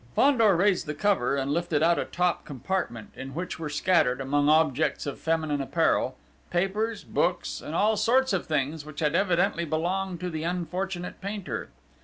Fandor raised the cover and lifted out a top compartment, in which were scattered, among objects of feminine apparel, papers, books, and all sorts of things which had evidently belonged to the unfortunate painter.